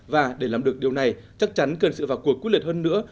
và để làm được điều này chắc chắn cần sự vào cuộc quyết liệt hơn nữa